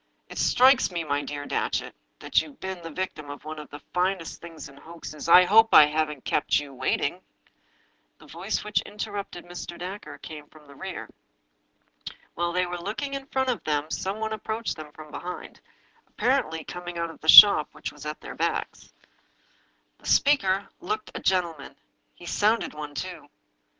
It strikes me, my dear Datchet, that you've been the victim of one of the finest things in hoaxes "" I hope I haven't kept you waiting." The voice which interrupted Mr. Dacre came from the rear. While they were looking in front of them some one approached them from behind, apparently coming out of the shop which was at their backs. The speaker looked a gentleman. He sounded like one, too.